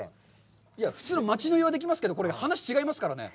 普通の町乗りはできますけど、話が違いますからね。